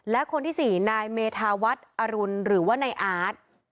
และคนที่๔นายเมธาวัฒน์อรุณหรือว่านายอาร์ต